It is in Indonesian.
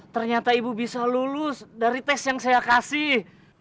ternyata ibu bisa lulus dari tes yang saya kasih